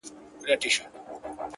څلوريځه_